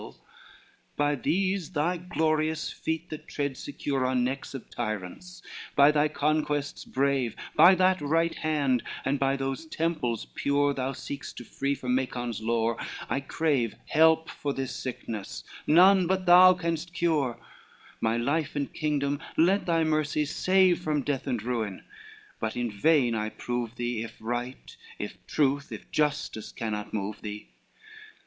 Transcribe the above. LXII "By these thy glorious feet, that tread secure On necks of tyrants, by thy conquests brave, By that right hand, and by those temples pure Thou seek'st to free from Macon's lore, I crave Help for this sickness none but thou canst cure, My life and kingdom let thy mercy save From death and ruin: but in vain I prove thee, If right, if truth, if justice cannot move thee.